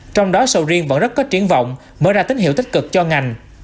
trong đó sầu riêng vẫn rất có triển vọng mở ra tín hiệu tích cực cho ngành